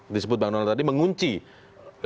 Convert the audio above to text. disebut bang donald tadi mengunci posisi presiden